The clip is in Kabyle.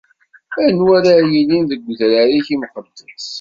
Anwa ara yilin deg udrar-ik imqeddes?